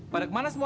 pada kemana semua